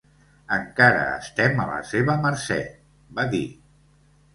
"Encara estem a la seva mercè," va dir.